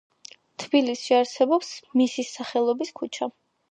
თბილისში არსებობს მისის სახელობის ქუჩა.